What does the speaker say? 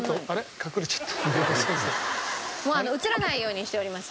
もう映らないようにしております。